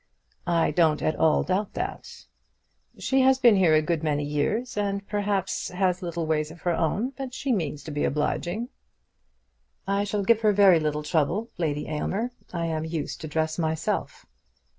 "I don't at all doubt that." "She has been here a good many years, and has perhaps little ways of her own, but she means to be obliging." "I shall give her very little trouble, Lady Aylmer. I am used to dress myself."